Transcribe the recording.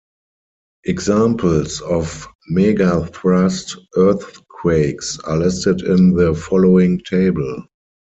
Examples of megathrust earthquakes are listed in the following table.